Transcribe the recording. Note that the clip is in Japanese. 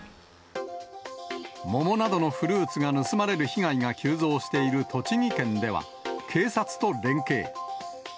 桃などのフルーツが盗まれる被害が急増している栃木県では、警察と連携。